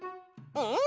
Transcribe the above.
うん。